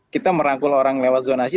kita merangkul orang lewat zonasi